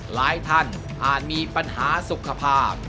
หลายท่านอาจมีปัญหาสุขภาพ